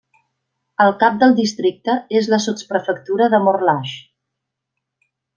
El cap del districte és la sotsprefectura de Morlaix.